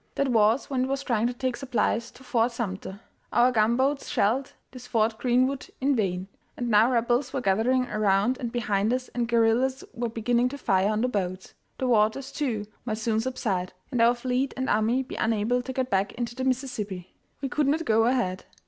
That was when it was trying to take supplies to Fort Sumter. Our gunboats shelled this "Fort Greenwood" in vain, and now Rebels were gathering around and behind us and guerrillas were beginning to fire on the boats. The waters, too, might soon subside, and our fleet and army be unable to get back into the Mississippi. We could not go ahead.